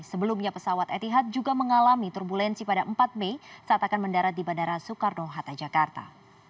sebelumnya pesawat etihad juga mengalami turbulensi pada empat mei saat akan mendarat di bandara soekarno hatta jakarta